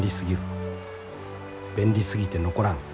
便利すぎて残らん。